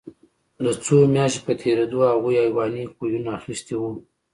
د څو میاشتو په تېرېدو هغوی حیواني خویونه اخیستي وو